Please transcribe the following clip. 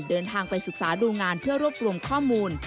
เดินทางไปศึกษาดูงานเพื่อรวบรวมข้อมูล